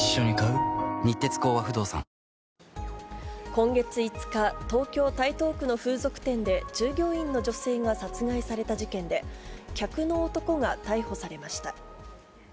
今月５日、東京・台東区の風俗店で従業員の女性が殺害された事件で、客の男が逮捕されました。